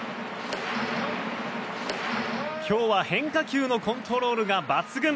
今日は変化球のコントロールが抜群。